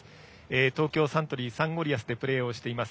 東京サントリーサンゴリアスでプレーしています